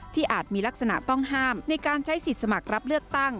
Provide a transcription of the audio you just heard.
อาจมีลักษณะต้องห้ามในการใช้สิทธิ์สมัครรับเลือกตั้ง